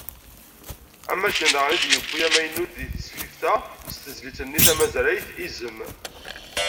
Am wakken, daɣen i d-yewwi amaynut deg tesfift-a s tezlit-nni tamazrayt "Izem."